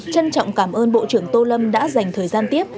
trân trọng cảm ơn bộ trưởng tô lâm đã dành thời gian tiếp